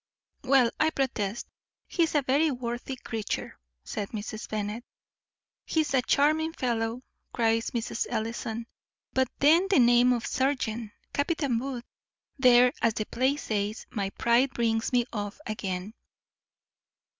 "Well, I protest, he is a very worthy creature," said Mrs. Bennet. "He is a charming fellow," cries Mrs. Ellison "but then the name of serjeant, Captain Booth; there, as the play says, my pride brings me off again."